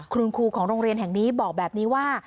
คุณครูของโรงเรียนแห่งนี้บอกแบบนี้ว่า